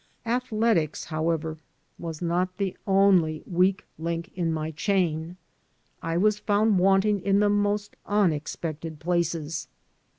Athletics, however,"was not the only weak link in my chain. I was found wanting in the most unexpected places.